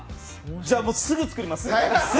じゃもうすぐ作ります。